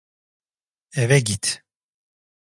Eve git.